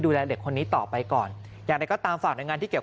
ดูแลเด็กคนนี้ต่อไปก่อนอยากได้ก็ตามฝากในงานที่เกี่ยว